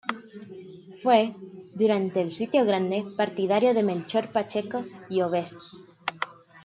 Fue, durante el Sitio Grande, partidario de Melchor Pacheco y Obes.